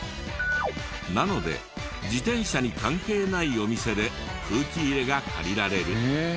なので自転車に関係ないお店で空気入れが借りられる。